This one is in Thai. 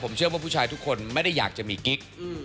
เชื่อว่าผู้ชายทุกคนไม่ได้อยากจะมีกิ๊ก